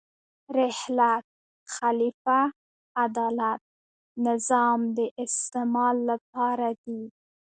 رحلت، خلیفه، عدالت، نظام د استعمال لپاره دي.